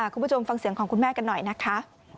คุณผู้ชมฟังเสียงของคุณแม่กันหน่อยนะคะ